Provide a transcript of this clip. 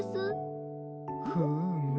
フーム。